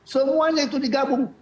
semuanya itu digabung